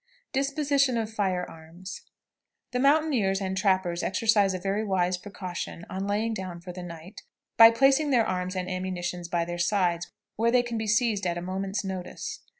DISPOSITION OF FIRE ARMS. The mountaineers and trappers exercise a very wise precaution, on laying down for the night, by placing their arms and ammunition by their sides, where they can be seized at a moment's notice.